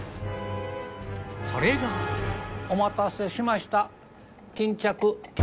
それがお待たせしました。